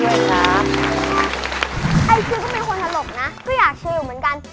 ไอ้คิวก็มีความหลักครับนะก็อยากเชือเหมือนกัน